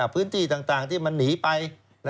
พื้นที่ต่างที่มันหนีไป